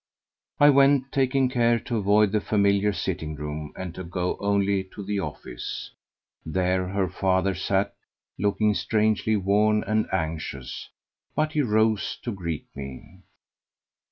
I went taking care to avoid the familiar sitting room and to go only to the office. There her father sat, looking strangely worn and anxious, but he rose to greet me.